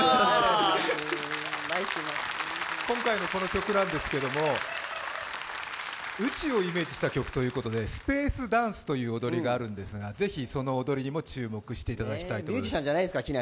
今回のこの曲なんですけども、宇宙をイメージした曲ということでスペースダンスという踊りがあるんですが、ぜひ、その踊りにも注目していただきたい。